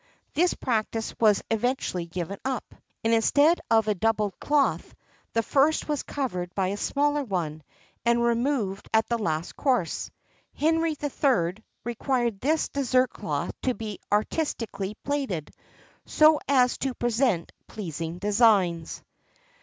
This practice was eventually given up; and instead of a doubled cloth, the first was covered by a smaller one, and removed at the last course. Henry III. required this dessert cloth to be artistically plaited, so as to present pleasing designs.